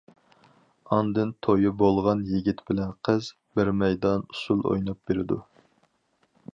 ئاندىن تويى بولغان يىگىت بىلەن قىز بىر مەيدان ئۇسسۇل ئويناپ بېرىدۇ.